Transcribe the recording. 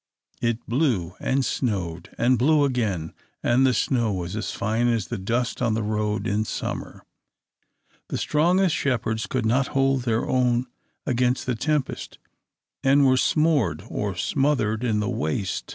It blew and snowed, and blew again, and the snow was as fine as the dust on a road in summer. The strongest shepherds could not hold their own against the tempest, and were "smoored" (or smothered) in the waste.